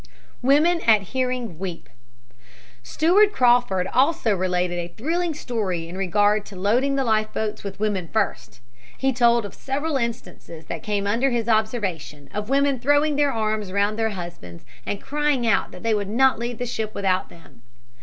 WOMEN AT HEARING WEEP Steward Crawford also related a thrilling story in regard to loading the life boats with women first. He told of several instances that came under his observation of women throwing their arms around their husbands and crying out that they would not leave the ship without them.